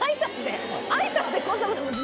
挨拶で？